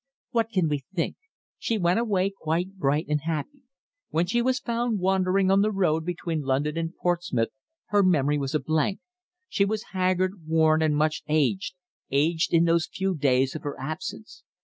"What can we think? She went away quite bright and happy. When she was found wandering on the road between London and Portsmouth her memory was a blank. She was haggard, worn, and much aged aged in those few days of her absence.